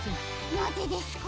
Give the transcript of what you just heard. なぜですか？